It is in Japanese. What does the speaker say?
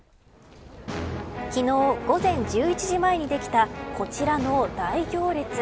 昨日、午前１１時前にできたこちらの大行列。